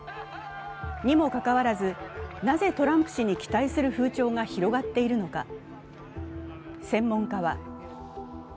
にもかかわらず、なぜ、トランプ氏に期待する風潮が広がっているのか。